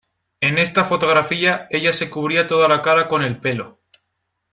En esta fotografía ella se cubría toda la cara con el pelo.